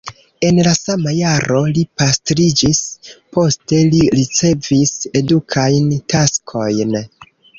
En la sama jaro li pastriĝis, poste li ricevis edukajn taskojn.